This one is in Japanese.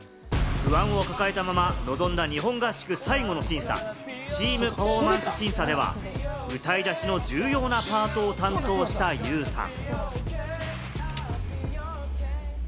不安を抱えたまま臨んだ日本合宿最初の審査、チーム・パフォーマンス審査では、歌い出しの重要なパートを担当したユウさん。